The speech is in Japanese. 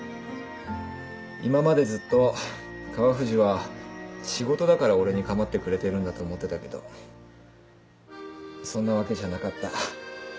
今までずっと川藤は仕事だから俺に構ってくれてるんだと思ってたけどそんなわけじゃなかった。